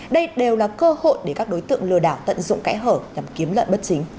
đây đều là cơ hội để các đối tượng lừa đảo tận dụng kẽ hở nhằm kiếm lợi bất chính